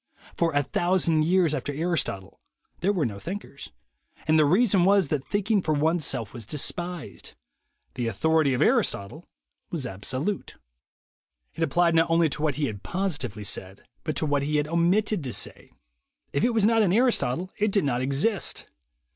For a thousand years after Aristotle there were no thinkers; and the reason was, that thinking for oneself was despised. The authority of Aristotle was absolute. It applied not only to what he had positively said, but to what he had omitted to say. If it was not in Aristotle, it did not exist.